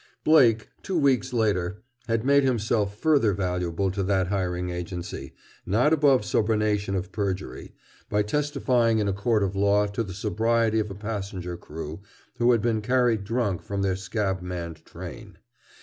Blake, two weeks later, had made himself further valuable to that hiring agency, not above subornation of perjury, by testifying in a court of law to the sobriety of a passenger crew who had been carried drunk from their scab manned train.